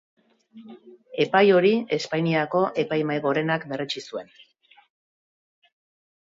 Epai hori Espainiako Epaimahai Gorenak berretsi zuen.